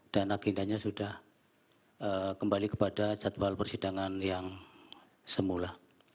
dan agendanya sudah kembali kepada jadwal persidangan yang semula